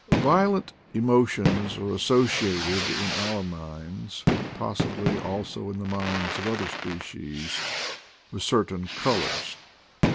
Violent emotions are associated in our minds — possibly, also, in the minds of other spe cies — with certain colors.